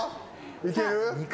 いける？